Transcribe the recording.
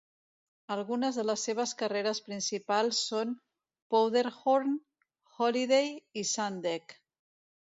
Algunes de les seves carreres principals són Powderhorn, Holiday i Sun Deck.